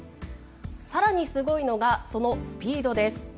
更にすごいのがそのスピードです。